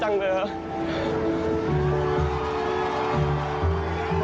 อย่างไรครับ